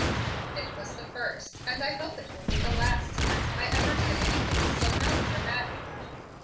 It was the first, and I hope it will be the last time I ever do anything so melodramatic."